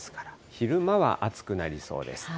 昼間は暑くなりそうです。